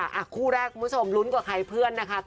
อ่ะคู่แรกคุณผู้ชมลุ้นกว่าใครเพื่อนนะคะ